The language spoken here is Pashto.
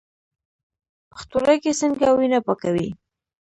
پښتورګي څنګه وینه پاکوي؟